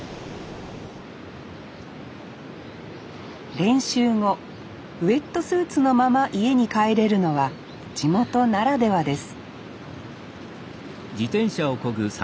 練習後ウエットスーツのまま家に帰れるのは地元ならではです